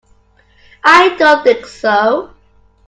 I don't think so.